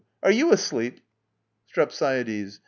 are you asleep? STREPSIADES.